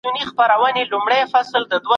بايد يو بل درک کړو.